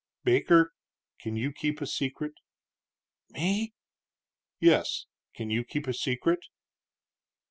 "Baker, can you keep a secret?" "Me?" "Yes; can you keep a secret?"